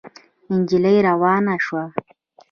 نجلۍ روانه شوه.